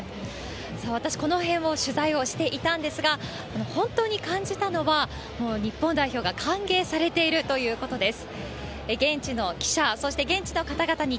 さあ、私、この辺を取材をしていたんですが、本当に感じたのは、もう日本代表が歓迎されているということです。